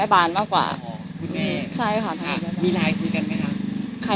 มีไล่คุยกันไหมคะ